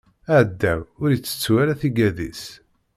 Aɛdaw ur itettu ara tigad-is.